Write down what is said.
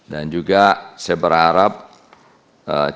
dan juga saya berharap capaiannya